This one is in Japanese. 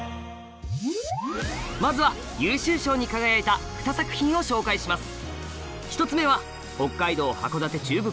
まずは優秀賞に輝いた２作品を紹介します！